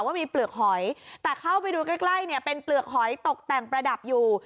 ว่ามีเปลือกหอยแต่เข้าไปดูใกล้เนี่ยเป็นเปลือกหอยตกแต่งประดับอยู่